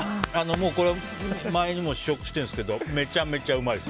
前にも試食しているんですけどめちゃめちゃうまいです。